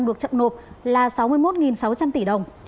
được chậm nộp là sáu mươi một sáu trăm linh tỷ đồng